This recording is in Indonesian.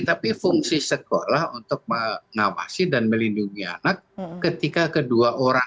tapi fungsi sekolah untuk mengawasi dan melindungi anak ketika kedua orang